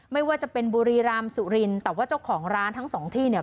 ไม่ว่าจะเป็นบุรีรามสุรินแต่ว่าเจ้าของร้านทั้งสองที่เนี่ย